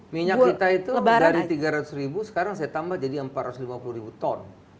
minyak kita itu dari tiga ratus ribu sekarang saya tambah jadi empat ratus lima puluh ribu ton